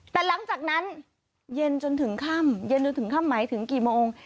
แต่หลังจากนั้นเย็นจนถึงค่ำเย็นจนถึงค่ำหมายถึงกี่โมง